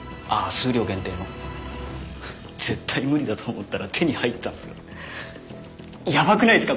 数量限定の絶対無理だと思ったら手に入ったんすヤバくないっすか？